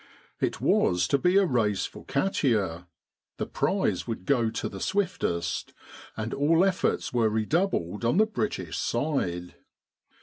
It was to be a race for Katia, the prize would go to the swiftest, and all efforts were redoubled on the British side.